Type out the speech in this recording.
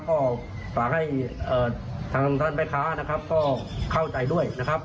ก็ฝากให้ทางคุณท่านแม่ค้าก็เข้าใจด้วยนะครับ